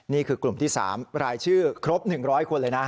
นี่คือกลุ่มที่๓รายชื่อครบ๑๐๐คนเลยนะ